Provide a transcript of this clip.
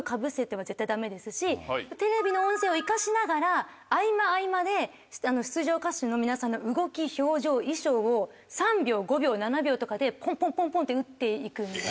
テレビの音声を生かしながら合間合間で出場歌手の皆さんの動き表情衣装を３秒５秒７秒とかでポンポンポンポンって打って行くんです。